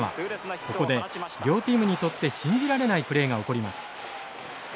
ここで両チームにとって信じられないプレーが起こります。